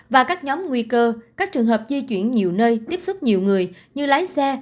và các nhóm nguy cơ các trường hợp di chuyển nhiều nơi tiếp xúc nhiều người như lái xe